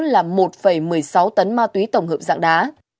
là một một mươi sáu tấn ma túy tổng hợp dạng đá